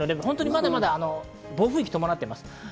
まだまだ暴風域を伴っています。